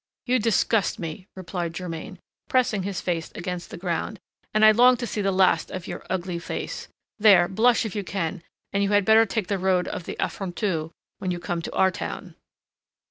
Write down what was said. "You disgust me!" replied Germain, pressing his face against the ground, "and I long to see the last of your ugly face. There, blush if you can, and you had better take the road of the affronteux when you come to our town."